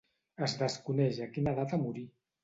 Es desconeix a quina data morí.